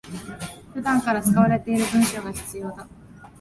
普段から使われている文章が必要だ